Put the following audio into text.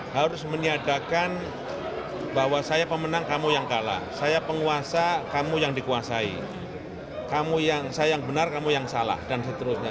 harus meniadakan bahwa saya pemenang kamu yang kalah saya penguasa kamu yang dikuasai kamu yang saya yang benar kamu yang salah dan seterusnya